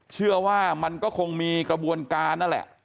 เชื่อว่ามันก็คงมีกระบวนการนั่นแหละ